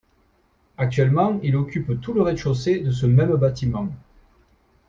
Actuellement, il occupe tout le rez-de-chaussée de ce même bâtiment.